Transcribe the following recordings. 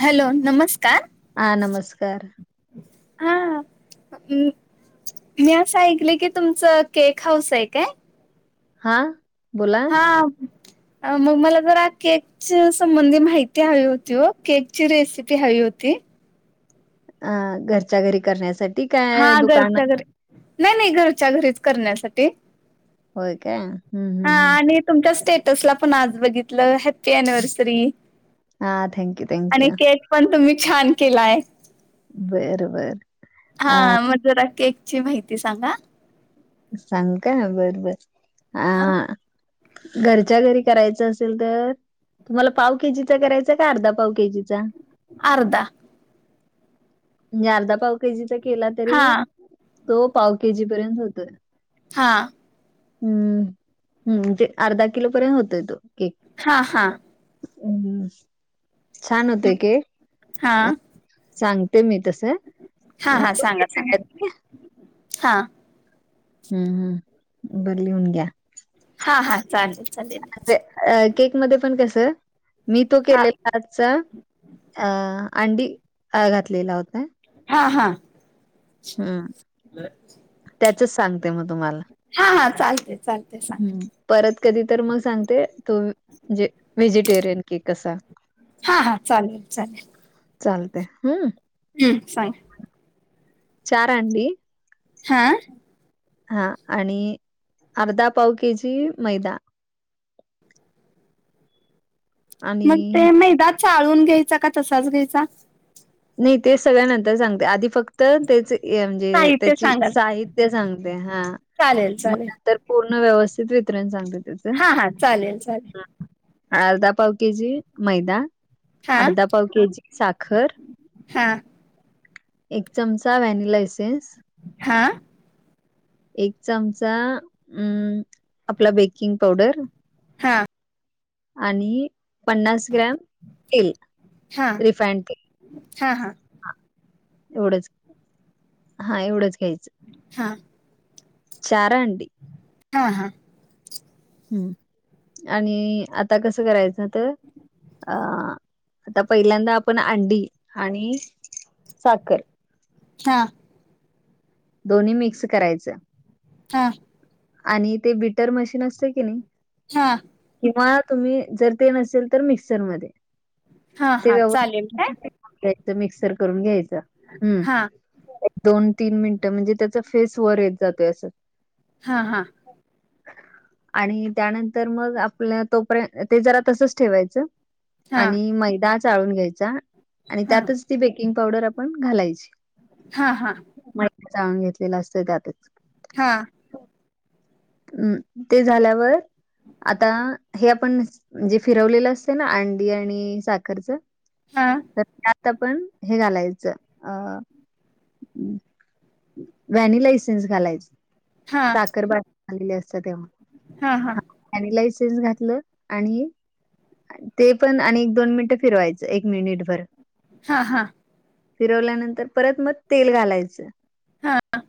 Hello नमस्कार हा नमस्कार हा. मी असं ऐकलं की तुमचं केक हाऊस आहे काय? हा बोला ह मग मला जरा केक संबंधी माहिती हवी होती केक ची रेसिपी हवी होती. अ घरच्या घरी करण्यासाठी हा काय दुकान घरच्या घरी नाही नाही घरच्या घरीच करण्यासाठी होय का हा आणि तुमच्या स्टेटसला पण आज बघितलं हॅप्पी अनिव्हर्सरी हा थँक्यू आणि थँक्यू केक पण तुम्ही छान केलाय बरं, बरं. अ, हा मज ची माहिती सांगा सांग का बरोबर ह घरच्या घरी करायचं असेल तर तुम्हाला पाव केजीचा करायचा का अर्धा पाव केजीचा अर्ध म्हणजे अर्धा पावकजीचा केला तरी हा तो पाव केजी पर्यंत होतोय हा हम्म हम्मणजे अर्धा किलोपर्यंत होतोय तो हा हा हम्म छान होतेय की हा सांगते मी तसं हा हा सांगा सांगा हा हम्म हम्म बरली उनग्या हा हा चालेल चालेलल अ केक मध्ये पण कस मी तो हा केलेला आजच अ अंडी घातलेला होता हा हा हा ब त्याचच सांगते मग तुम्हाला हा हा चालते चालते सांगा हम् परत कधी तर मग सांगते तू म्हणजे व्हेजिटेरियन केक कसा हा हा चालेल चालेल चालते हम्म हम्म सां चारडी हा हा आणि अर्धा पाव के जी मैदा मग आणि ते मैदा चाळून घ्यायचा का तसाच घ्यायचा नाही ते सगळ्या नंतर सांगते आधी फक्त तेच साहित्य त्या सांगा साहित स ह चालेल चालेल पूर्ण व्यवस्थित वितरण सांगत हा हा चालेल चालेल अर्धा पाव के जी मैदा हा अर्धा पाव के जी साखर हा एक चमचा व्हॅनिला इसेस हा एक चमचा अम आपला बेकिंग पावडर हा आणि पन्नास ग्राम तेल हा रिफाइंड तेल हा हा एवढंच हा एवढंच घ्यायचं हा चारडी हा हा हम् आणि आता कसं करायचं तर अ आता पहिल्यांदा आपण अंडी आणि साखर ह दोन्ही मिक्स करायचं हा आणि ते बीटर मशीन असते की नाही हा किंवा तुम्ही जर ते नसेल तर मिक्सरमध्ये हा ते हा चालेल काय व्यवस्थित मिक्सर करून घ्यायच हम्म हा दोन तीन मिनट म्हणजे त्याचा फेस वर येत जातोय असं हा हा आणि त्यानंतर मग आप तोपर्यंत ते जरा तसच ठेवायचं हा आणि मैदा चाळून घ्यायचा आणि हा त्यातच ती बेकिंग पावडर आपण घालायची हा हा हा जाणून घेतलेलं असत त्यातच हा हम् ते झाल्यावर आता हे आपणणजे फिरवलेलं असत ना अंडी आणि साखरचं हा तर ते आता पण हे घालायचं अ व्हॅनीलायसेनस घालायच हा साखर बाज झालेले असत तेव्हा हा हा त्यानी लायसेन्स घातलं आणि ते पण आणि एक दोन मिनिटं फिरवायचं एक मिनिट भर हा हा फिरवल्यानंतर परत मग तेल घालायचं हां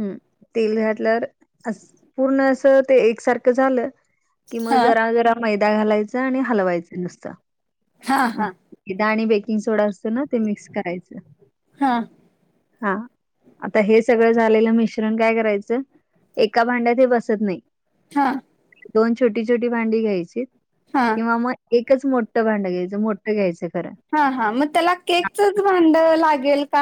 हम् तेल घातल्यावर पूर्ण असं ते एकसारखं झालं कि मग हा जरा जरा मैदा घालायचं आणि हलवायचं नुसतं हा हा दा आणि बेकिंग सोडा असतो ना ते मिक्स करायचं हां हा आता हे सगळं झालेलं मिश्रण काय करायचं एका भांड्यात हे बसत नाही हा दोन छोटी छोटी भांडी घ्यायची हा किंवा मग एकच मोठं भांडं घ्यायचं मोठं घ्यायचं खरं हा हा मग त्याला केकचच भांड लागेल का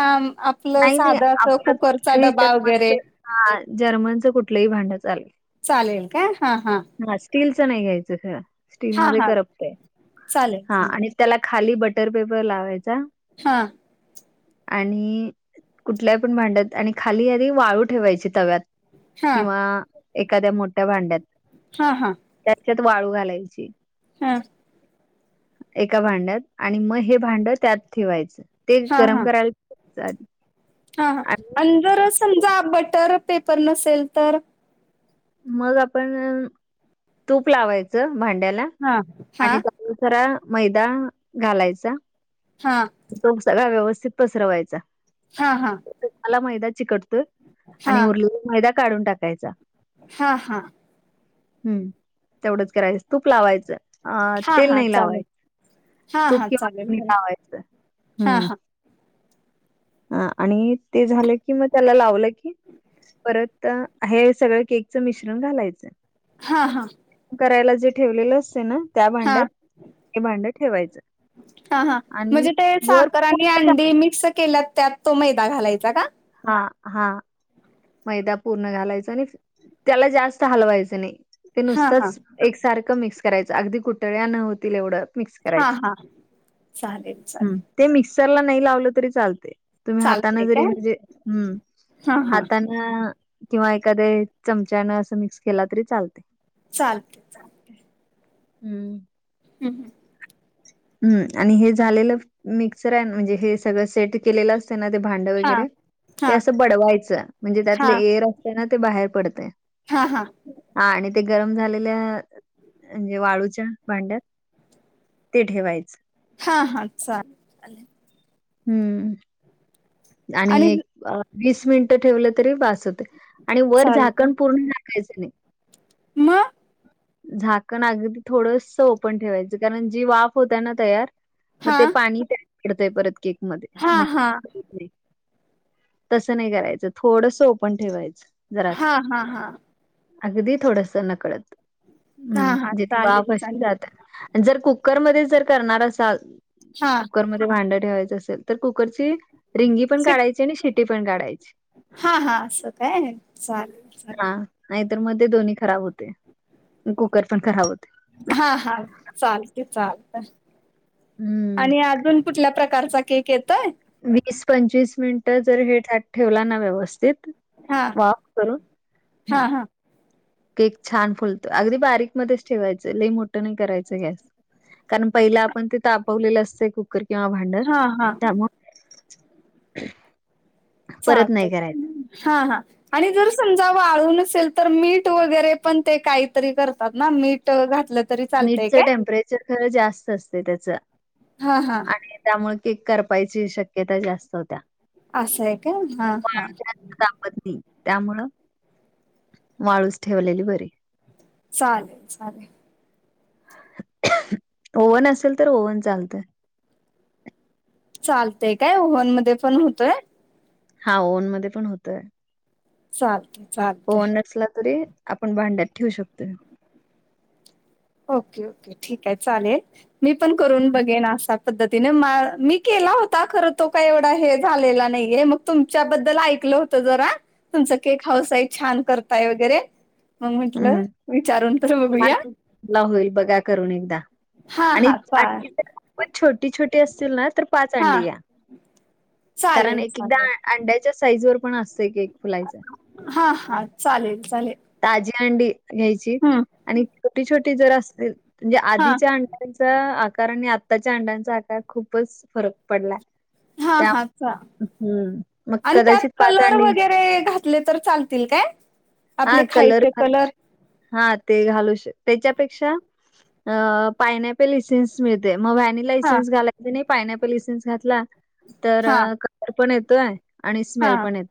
आपलं नाही, नाही. साधं असं कुकरचा डबा वगैरे हा जर्मनचं कुठलंही भांडं चालेल चालेलल का हा हा हा स्टीलचं नाही घ्यायचं खर हा स्टीलमध्ये हा करपतय चालेल हा चालेल आणि त्याला खाली बटर पेपर लावायचा हा आणि कुठल्याही पण भांडत आणि खाली आधी वाळू ठेवायची तव्यात हा किंवा एखाद्या मोठ्या भांड्यात हा हा.... त्याच्यात वाळू घालायची.... हा... एका भांड्यात आणि मग हे भांडं त्यात ठेवायचं ते हा हा गरम करायला... सारी.... हा हा आणि जर समजा बटर पेपर नसेल तर... मग आपण तूप लावायचं भांड्याला.... हा हा... आणि जरा मैदा घालायचा.... हा... तो सगळा व्यवस्थित पसरवायचा... हा हा... त्याला मैदा चिकटतोय हा आणि उरलेला मैदा काढून टाकायचा.... हा हा... हम् तेवढंच करायचं तूप लावायचं... अ हा तेल हा नाही चालेल लावायचं हा तूप हा चालेल किंवा चालेल लावायचं हा हम्म..... हा ह आणि ते झालं की मग त्याला लावलं की... परत हे सगळं केक च मिश्रण घालायचं.... हा हा.... करायला जे ठेवलेलं असते ना त्या हा भांड्यात हे भांड ठेवायचं..... हा हा आणि म्हणजे ते वर साखर आणि अंडी मिक्स केल्या त्यात तो मैदा घालायचा का..... हा हा... मैदा पूर्ण घालायच आणि त्याला जास्त हलवायचं नाही ते हा हा नुसतच.... एकसारखं मिक्स करायचं अगदी कुठळ्या न होतील एवढं... मिक्स हा करायच् हा चालेल चालेल ते मिक्सरला नाही लावलं तरी चालते.... तुम्ही हाताने चालतेय का हा हां.. ह किंवा एखादे चमचान असं मिक्स केला तरी चालते... चालते.... हम्म.. हम् हम हम्म आणि हे झालेलं मिक्सर आहे म्हणजे हे सगळं सेट केलेलं.... ना ते भांड हा वगैरे ते हा असं बडवायचं म्हणजे हा त्यातलं एर असत ना ते बाहेर पडतय... हा हा.... हा आणि ते गरम झालेल्या म्हणजे वाळूच्या भांड्यात... ते ठेवायच..... हा हा चालेल.... हम्म.... आणि एक वीस मिनिट ठेवलं तरी वास होते आणि वर झाकण चालत पूर्ण..... काहीच नाही..... मग.... झाकण अगदी थोडस ओपन ठेवायचं कारण जी वाफ होता ना तयार..... मग हा ते पाणी पडतय परत केक मध्ये हा मग.... हा होत तसं नाही करायचं थोडस ओपन ठेवायचं.... हा जरास हा हा अगदी थोडस नकळत..... हा हा हम्म जेथ चालेल वापशी चालेल जातात... जर कुकरमध्ये जर करणार असाल हा कुकरमध्ये.... भांड ठेवायचं असेल तर कुकरची रिंगी पण शिक काढायची आणि शेटी पण काढायची.... हा हा असं काय चालेल चालेल.... हा नाहीतर मध्ये दोन्ही खराब होते कुकर पण खराब होते.... हा हा चालते चालतय..... हम्म आणि अजून कुठल्या प्रकारचा केक येतोय वीस पंचवीस मिनिट जर हे ठेवला ना व्यवस्थित हां वाफ करून हं, हां हां केक छान फुलतो अगदी बारीक मध्येच ठेवायचं लई मोठं नाही करायचं गॅस कारण पहिला आपण ते तापवलेलं असत कुकर किंवा भांड हा हा त्यामुळे परत नाही करायचं हा हा आणि जर समजा वाळून नेल तर मीठ वगैरे पण ते काहीतरी करतात ना मीठ घातलं तरी चालतंय मीठचं काय? टेम्परेचर खरं जास्त असते त्याच हा हा आणि त्यामुळे केक करपायची शक्यता जास्त होत्या असं आहे का हा हा तापतली त्यामुळं माळूस ठेवलेली बरी चालेल चालेल ओव्हन असेल तर ओव्हन चालतय चालतय काय ओहन मध्ये पण होतोय हा ओन मध्ये पण होतय चालख वनसला तरी आपण भांड्यात ठेवू शकतोय ओके ओके ठीक आहे चालेल मी पण करून बघेन असा पद्तीने मी केला होता खरं तो का एवढा हे झालेला नाहीये मग तुमच्याबद्दल ऐकलं होत जरा तुमचा केक हाऊसई छान करताय वगैरे मग म्हंटलं हं. विचारून तर हा बघूया ला होईल बघा करून एकदा हा आणि हा चा पण छोटी छोटी असतील ना तर पाच हा अंडी घ्या कारण चालेल एक एकदा चालेल अंड्याच्या साईज वर पण असतंय केक फुलायचं हा हा चालेल चालेल ताजी अंडी घ्यायची हम्म आणि छोटी छोटी जर असे म्हणजे हा आधीच्या अं आकार आणि आत्ताच्या अंडांचा आकार खूपच फरक पडलाय हा त्या हा का हं. मग आणि त्यात कदाचित पाच कलर अंडी वगैरे घातले तर चालतील काय आपले खायचे कलर हा घाल त्याच्यापेक्षा मि मग हा लायसेन्स घालायचं नाही पायनप लायसेनस घातला तर हा क पण येतोय आणि स्मेल हा पण येत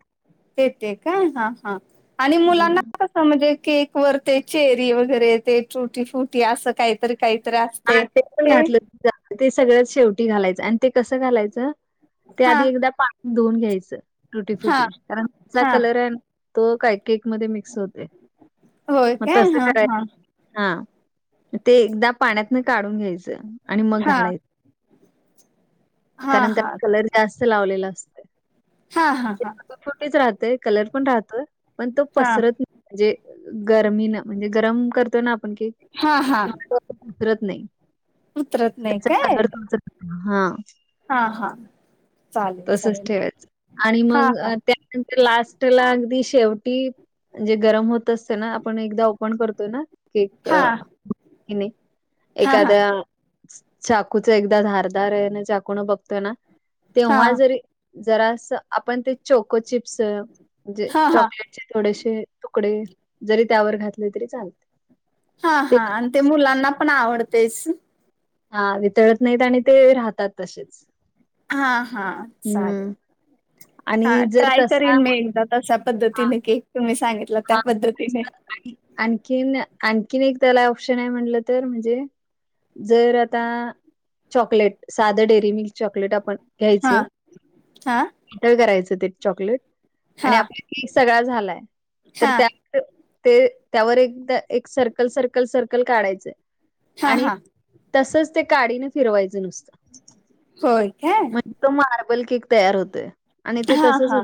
ते ते का हा हा आणि मुलांना म्हणजे केक वर ते चेरी वगैरे ते चुटी फुटी असं काहीतरी काहीतरी हा असते पण ते घातलं ते सगळं शेवटी घालायचं आणि ते कसं घालायचं ते हा आधी एकदा पा दोन घ्यायचं तुटी हा फुटी कारणचा हा कलर आहे तो काय केक मध्ये मिक्स होते होय मग काय तसं हा हा करायच हा ते एकदा पाण्यातन काढून घ्यायचं आणि मग हा घालायचं हा कारण हा त्याला कलर जास्त लावलेला असतो हा हा हा छोटीच राहतेय कलर पण राहतोय पण तो हा पसरत नाही म्हणजे गरमी ना म्हणजे गरम करतोय ना आपण केक हा हा उसरत नाही उतरत नाही त्याचा काय कनर्थ उरत हा हा हा चालेल तसच चालेल ठेवायचं आणि हा मग हा त्यान लास्ट ला अगदी शेवटी म्हणजे गरम होत असते ना आपण एकदा ओपन करतोय ना कक हा हा हा एखाद्या चाकूच एकदा धारदार ए ना चाकू न बघतोय ना तेव्हा हा जरी जरासं आपण ते चोको चिप्स म्हणजे हा हा चॉकलेट चे थोडेसे तुकडे जरी त्यावर घातले तरी चालते. हां हां आण ते मुलांना पण आवडतेच. हां वितळत नाहीत आणि ते राहतात तसेच. हां हां हम्म चालेल आणि हां जर ट्राय तसा करीन मी एकदा तशा पद्धतीने केक तुम्ही सांगि हां [unintelligible] आणखीन आणखीन एक त्याला ऑप्शन आहे म्हणलं तर म्हणजे जर आता चॉकलेट साधं डेअरी मिल्क चॉकलेट आपण हा घ्यायचं हा [unintelligible] रायचं ते चॉकलेट हा आणि आपला केक सगळा झालाय तर हा त्या त ते त्यावर एकदा एक सर्कल सर्कल सर्कल काढायचं हा आणि हा तसच ते काडीने फिरवायचं नुस्तं. होय काय? तो मार्बल केक तयार होतोय आणि ते हा तसंच हा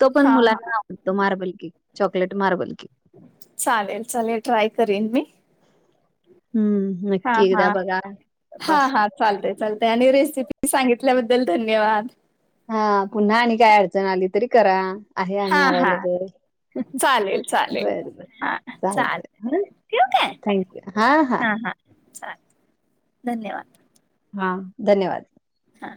तो पण हा हा मुलांना आवडतो marble cake chocolate marble cake. चालेल चालेल ट्राय करीन मी. हम्म नक्की एकदा बघा तपासून. चालतय चालतेय आणि रेसिपी सांगितल्याबद्दल धन्यवाद. हा पुन्हा आणि काय अडचण आली तरी करा आहे हा आम्ही हा अँवलेबल. चालेल चालेल बर बर हा चालेल चालतय हां. ठेवू काय थँक्यू हां हां. हा हा चालेल धन्यवाद. हां धन्यवाद. हां.